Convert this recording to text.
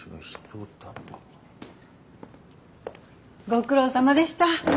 ご苦労さまでした。